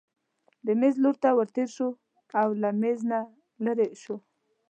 د مېز لور ته ورتېر شو او له مېز نه لیرې شو.